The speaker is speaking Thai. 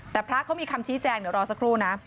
แต่พระเขามีคำชี้แจงเดี๋ยวรอสักครู่นะ